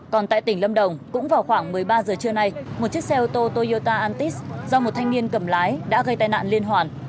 còn tại tỉnh lâm đồng cũng vào khoảng một mươi ba giờ trưa nay một chiếc xe ô tô toyota antis do một thanh niên cầm lái đã gây tai nạn liên hoàn